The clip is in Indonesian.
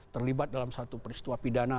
terlibat dalam satu peristiwa pidana